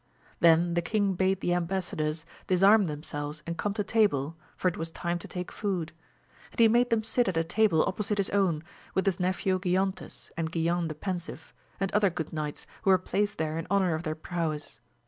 Then the king bade the embassadors disarm themselves and come to table, for it was time to take food. And he made them sit at a table opposite his own, with his nephew Giontes, and Guilan the Pensive, and other good knights who were placed there in honour of their prowess.